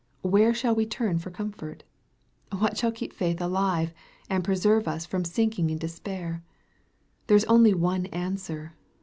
Where shall we turn for comfort ? What shall keep faith alive, and preserve us from sinking in despair ? There is only one answer.